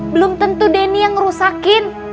belum tentu denny yang ngerusakin